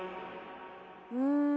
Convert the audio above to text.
うん。